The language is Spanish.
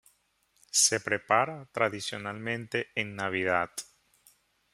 Se prepara tradicionalmente en Navidad.